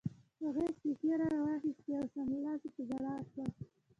هغې سیکې را واخیستې او سملاسي په ژړا شوه